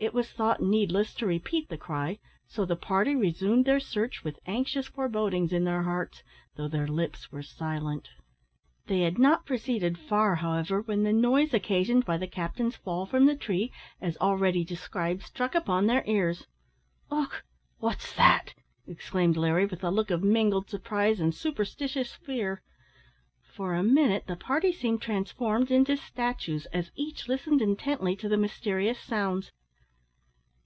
It was thought needless to repeat the cry, so the party resumed their search with anxious forebodings in their hearts, though their lips were silent. They had not proceeded far, however, when the noise occasioned by the captain's fall from the tree, as already described, struck upon their ears. "Och! what's that?" exclaimed Larry, with a look of mingled surprise and superstitious fear. For a minute the party seemed transformed into statues, as each listened intently to the mysterious sounds.